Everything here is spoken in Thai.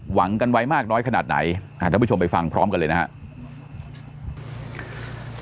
หวังกันไว้มากน้อยขนาดไหนท่านผู้ชมไปฟังพร้อมกันเลยนะครับ